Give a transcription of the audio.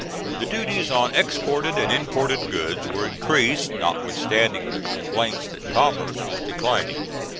The duties on exported and imported goods were increased, notwithstanding the complaints that commerce was declining.